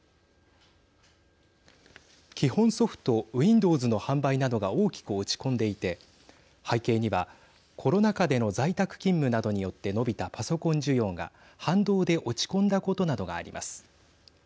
基本ソフトウィンドウズの販売などが大きく落ち込んでいて背景にはコロナ禍での在宅勤務などによって伸びたパソコン需要が反動で落ち込んだことなどがあります。